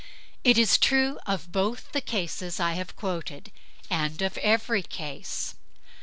It is true of both the cases I have quoted, and of every case.